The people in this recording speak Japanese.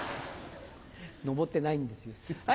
登ってないんですよ。